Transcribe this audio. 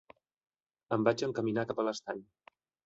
Em vaig encaminar cap a l'estany.